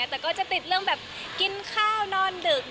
แต่ก็จะติดเรื่องแบบกินข้าวนอนดึก